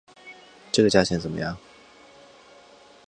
这个价钱怎么样？